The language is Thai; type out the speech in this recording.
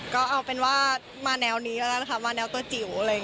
ก็เอาเป็นว่ามาแนวนี้ก็ได้นะคะมาแนวตัวจิ๋วเลย